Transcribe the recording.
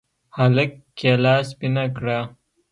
هلك کېله سپينه کړه.